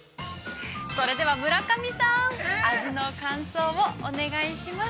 ◆それでは村上さん、味の感想をお願いします。